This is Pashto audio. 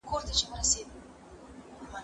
هغه څوک چي درسونه لوستل کوي پوهه زياتوي!